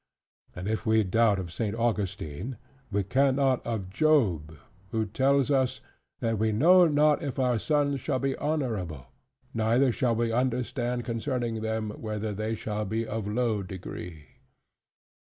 " And if we doubt of St. Augustine, we can not of Job; who tells us, "That we know not if our sons shall be honorable: neither shall we understand concerning them, whether they shall be of low degree."